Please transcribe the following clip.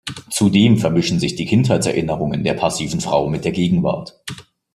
Zudem vermischen sich die Kindheitserinnerungen der passiven Frau mit der Gegenwart.